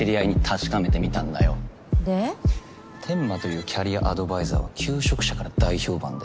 天間というキャリアアドバイザーは求職者から大評判で。